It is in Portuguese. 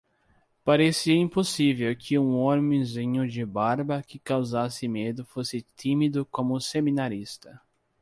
Parecia impossível que um homenzinho de barba que causasse medo fosse tímido como seminarista.